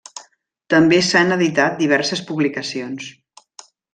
També s'han editat diverses publicacions.